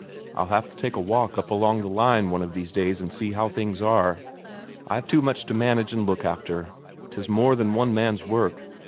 I'll have to take a walk up along the line one of these days and see how things are. I've too much to manage and look after, 'tis more than one man's work.